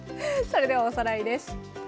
それではおさらいです。